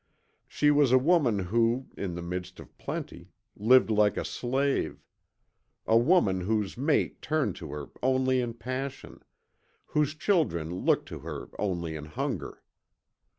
She was a woman who, in the midst of plenty, lived like a slave; a woman whose mate turned to her only in passion, whose children looked to her only in hunger.